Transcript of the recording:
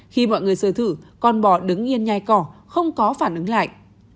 khi mọi người sơ thử con bò đứng yên nhai cỏ không có phản ứng lại